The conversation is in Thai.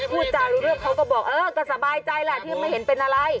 พูดจารู้เรื่องเขาก็บอกเออก็สบายใจแหละที่ไม่เห็นเป็นอะไร